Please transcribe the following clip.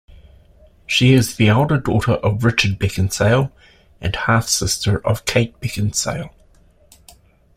She is the elder daughter of Richard Beckinsale and half-sister of Kate Beckinsale.